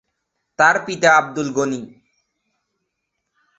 তার পিতা আব্দুল গনি।